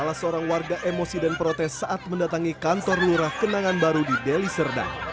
salah seorang warga emosi dan protes saat mendatangi kantor lurah kenangan baru di deli serdang